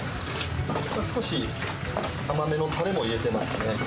少し甘めのたれも入れてますね。